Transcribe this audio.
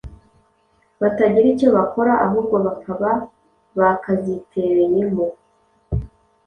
batagira icyo bakora, ahubwo bakaba ba kazitereyemo.